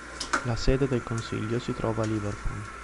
La sede del consiglio si trova a Liverpool.